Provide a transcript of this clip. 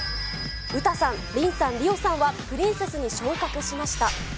ウタさん、リンさん、リオさんはプリンセスに昇格しました。